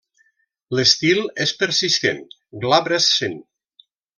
L'estil és persistent, glabrescent.